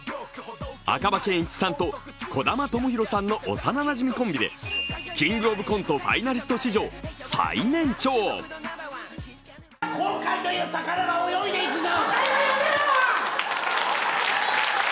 赤羽健壱さんと児玉智洋さんの幼なじみコンビで「キングオブコント」ファイナリスト史上最年長後悔という魚が泳いでいるぞ！